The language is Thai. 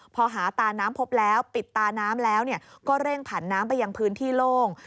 พอหาตาน้ำพบแล้วปิดตาน้ำแล้วก็เร่งผันน้ำไปยังพื้นที่โล่ง